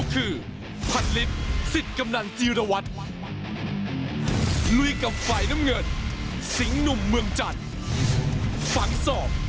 คือที่ที่๔สองขอซื้อริพงศ์